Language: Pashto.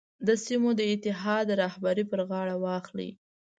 د سیمو د اتحاد رهبري پر غاړه واخلي.